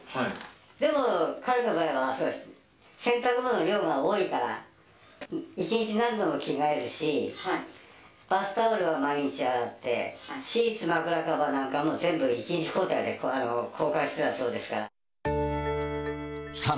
でも、彼の場合はそうです、洗濯物の量が多いから、一日何度も着替えるし、バスタオルは毎日洗って、シーツ、枕カバーなんかも全部１日交代で交換してたそうですから。